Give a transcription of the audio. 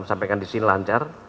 sampaikan di sini lancar